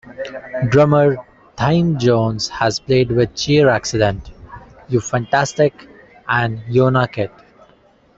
Drummer Thymme Jones has played with Cheer-Accident, You Fantastic!, and Yona-Kit.